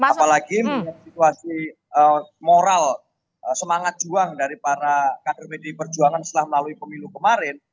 apalagi melihat situasi moral semangat juang dari para kader pdi perjuangan setelah melalui pemilu kemarin